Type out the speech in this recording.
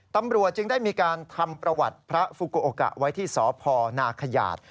ตำรวจจึงได้มีการทำประวัติพระฟูโกโอกะไว้ที่สพนาขยาด